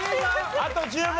あと１０問！？